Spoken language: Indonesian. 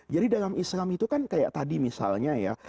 jadi dalam islam itu kan kayak tadi misalnya ya